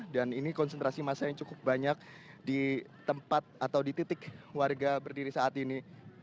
dan ini konsentrasi masa yang cukup banyak di tempat atau di titik warga berdiri saat ini